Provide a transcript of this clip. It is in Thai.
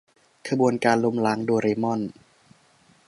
ขบวนการล้มล้างโดเรม่อน !